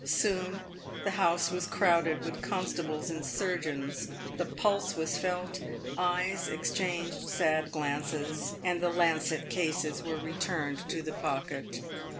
Soon the house was crowded with constables and surgeons. The pulse was felt ; eyes exchanged sad glances ; and the lancet cases were returned to the pocket.